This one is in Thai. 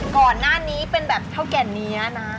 ก่อนหน้านี้เป็นแบบเท่าแก่เนื้อนะ